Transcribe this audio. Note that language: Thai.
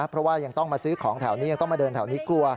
เพราะว่ายังต้องมาซื้อของแถวนี้ยังต้องมาเดินแถวนี้กลัว